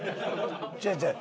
違う違う。